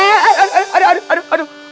eh aduh aduh aduh